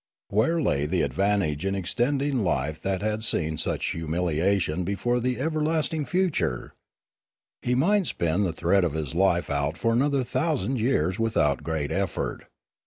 Where lay the advantage in extending a life that had seen such 356 Limanora humiliation before the everlasting future ? He might spin the thread of his life out for another thousand years without great effort.